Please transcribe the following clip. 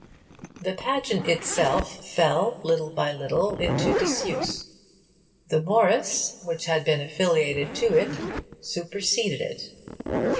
The 'pageant' itself fell, little by little, into disuse; the Morris, which had been affiliated to it, superseded it.